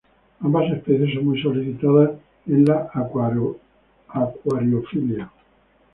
Ambas especies son muy solicitadas en la acuariofilia.